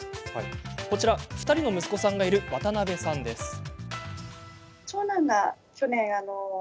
こちらは、２人の息子さんがいる渡辺さんです。